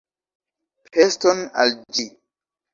Peston al ĝi!